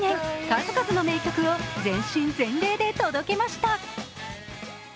数々の名曲を全身全霊で届けました。